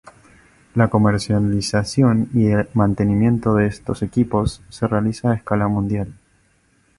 La comercialización y mantenimiento de estos equipos se realiza a escala mundial.